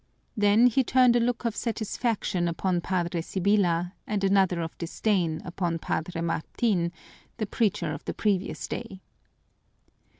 Then he turned a look of satisfaction upon Padre Sibyla and another of disdain upon Padre Martin, the preacher of the previous day.